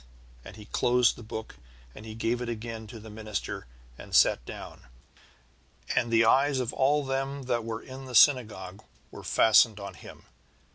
"And he closed the book, and he gave it again to the minister, and sat down. And the eyes of all them that were in the synagogue were fastened on him.